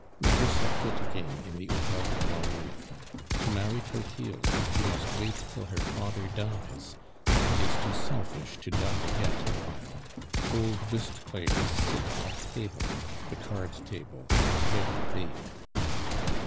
Never set foot again in the Hotel de Grandlieu. To marry Clotilde you must wait till her father dies, and he is too selfish to die yet awhile. Old whist players sit at table the card table very late.